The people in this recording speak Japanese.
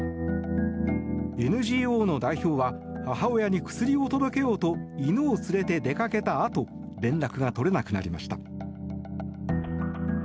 ＮＧＯの代表は母親に薬を届けようと犬を連れて出かけたあと連絡が取れなくなりました。